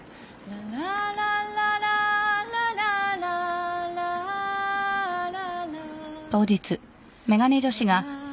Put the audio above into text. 「ララランラランラララララ」